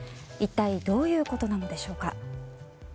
一体どういうことなのでしょうか。